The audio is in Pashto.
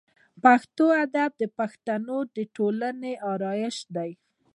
پښتو ادب د پښتني ټولنې آرایش دی.